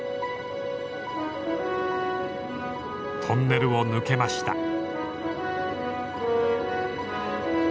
トンネルを抜けました。